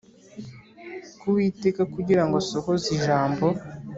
Ku uwiteka kugira ngo asohoze ijambo